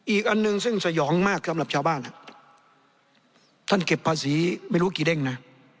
อีกอันหนึ่งซึ่งสยองมากสำหรับชาวบ้านท่านเก็บภาษีไม่รู้กี่เด้งนะ